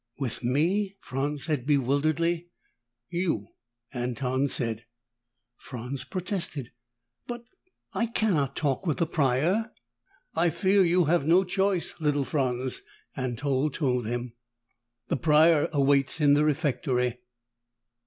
"With me?" Franz said bewilderedly. "You," Anton said. Franz protested, "But I cannot talk with the Prior!" "I fear you have no choice, little Franz," Anton told him. "The Prior awaits in the refectory."